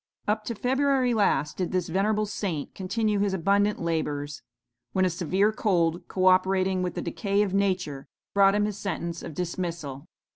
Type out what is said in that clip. Up to February last did this venerable saint continue his abundant labors; when a severe cold, co operating with the decay of nature, brought him his sentence of dismissal.